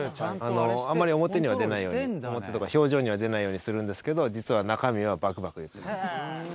あんまり表には出ないように、表というか、表情には出ないようにするんですけど、実は中身はばくばくいってます。